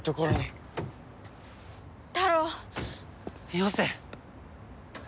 よせ！